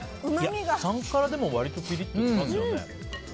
３辛でも割とピリッと来ますよね。